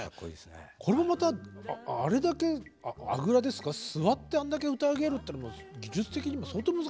これもまたあれだけあぐらですか座ってあんだけ歌い上げるってのも技術的にも相当難しいんじゃないですか。